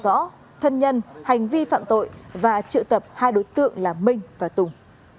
tàu rõ thân nhân hành vi phạm tội và trự tập hai đối tượng là minh và tùng